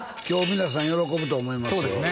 今日皆さん喜ぶと思いますよ